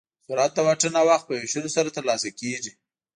سرعت د واټن او وخت په ویشلو سره ترلاسه کېږي.